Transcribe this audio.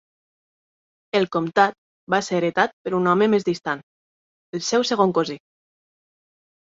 El comtat va ser heretat per un home més distant, el seu segon cosí.